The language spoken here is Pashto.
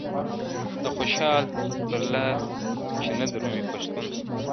د خوشحال پر لار چي نه درومي پښتونه.